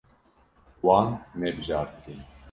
Wan nebijartiye.